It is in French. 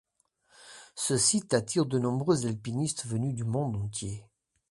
Ce site attire de nombreux alpinistes venus du monde entier.